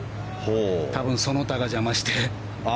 多分その他が邪魔して。